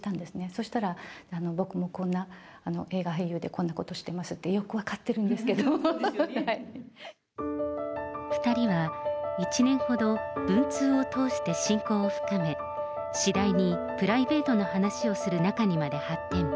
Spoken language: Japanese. そしたら、僕もこんな映画俳優で、こんなことしてますって、よく分かってる２人は１年ほど、文通を通して親交を深め、次第にプライベートな話をする仲にまで発展。